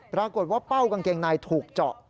ปรากฏว่าเป้ากางเกงในถูกเจาะ